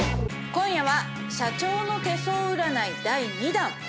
今夜は社長の手相占い第２弾。